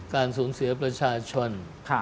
การสูญเสียประชาชน